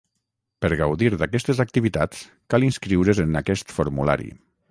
Per gaudir d’aquestes activitats, cal inscriure’s en aquest formulari.